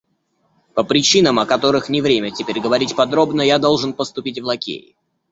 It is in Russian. По причинам, о которых не время теперь говорить подробно, я должен поступить в лакеи.